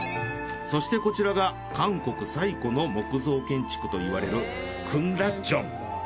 そしてこちらが韓国最古の木造建築といわれる極楽殿。